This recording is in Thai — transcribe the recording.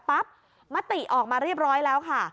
มติออกมาเรียบร้อยแล้วค่ะ